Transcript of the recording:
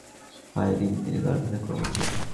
কলম্বাসের মায়ের নাম Mary Irene, তিনি কারখানার কর্মচারী।